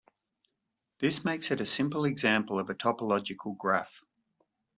This makes it a simple example of a topological graph.